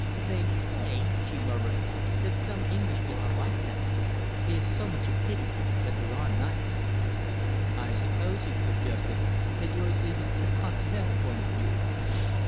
"They say," she murmured, "that some Englishmen are like that. It is so much a pity when they are nice!" "I suppose," he suggested, "that yours is the Continental point of view."